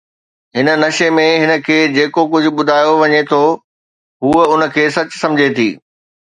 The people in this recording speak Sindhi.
هن نشي ۾، هن کي جيڪو ڪجهه ٻڌايو وڃي ٿو، هوء ان کي سچ سمجهي ٿي.